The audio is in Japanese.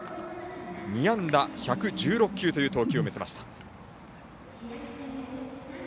２安打１１６球という投球を見せました。